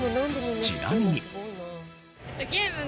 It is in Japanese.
ちなみに。